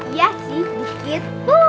iya sih dikit